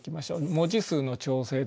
文字数の調整です。